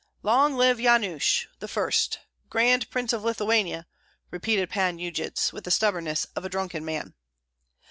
"Long live Yanush I., Grand Prince of Lithuania!" repeated Pan Yujits, with the stubbornness of a drunken man.